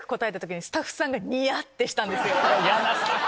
嫌なスタッフ！